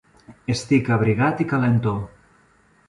Estic abrigat i calentó.